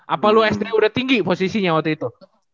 apa lu sd udah tinggi posisinya waktu itu